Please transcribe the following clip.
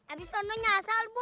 abis itu nanya nyasar ibu